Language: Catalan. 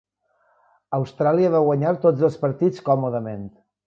Austràlia va guanyar tots els partits còmodament.